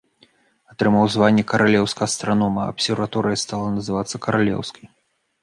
Атрымаў званне каралеўскага астранома, абсерваторыя стала называцца каралеўскай.